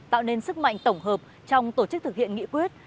tạo nên sức mạnh tổng hợp trong tổ chức thực hiện nghị quyết